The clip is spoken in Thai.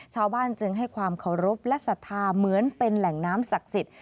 ชาวบ้านจึงให้ความเคารพและศรัทธาเหมือนเป็นแหล่งน้ำศักดิ์สิทธิ์